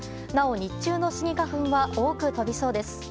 なお、日中のスギ花粉は多く飛びそうです。